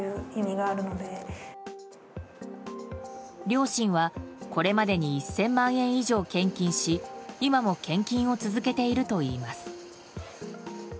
両親はこれまでに１０００万円以上献金し今も献金を続けているといいます。